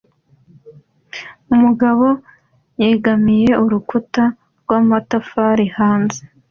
umugabo yegamiye urukuta rw'amatafari hanze